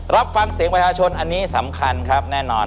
รับฟังเสียงประชาชนอันนี้สำคัญครับแน่นอน